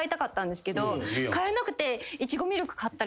買えなくて。